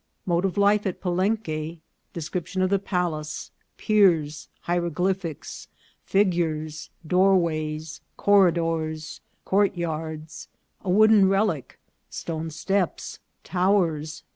— Mode of Life at Palenque.— Description of the Palace. — Piers. — Hieroglyphics. — Figures. — Doorways. — Corridors.— Courtyards. — A wooden Relic.— Stone Steps. — Towers.